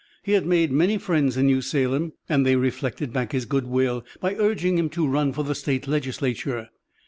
He had made many friends in New Salem, and they reflected back his good will by urging him to run for the State Legislature.